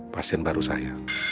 pasien baru saya